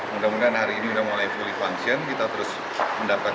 mudah mudahan hari ini sudah mulai fully function kita terus mendapatkan